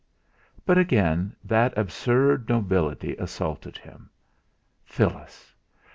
But again that absurd nobility assaulted him. Phyllis!